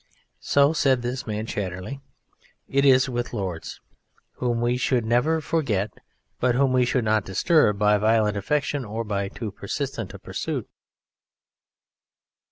So (said this man Chatterley) is it with Lords, whom we should never forget, but whom we should not disturb by violent affection or by too persistent a pursuit.